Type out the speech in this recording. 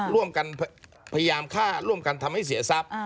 ร่วมกันพยายามฆ่าร่วมกันทำให้เสียทรัพย์